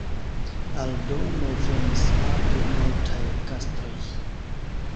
Aldone venis ade multaj gastoj.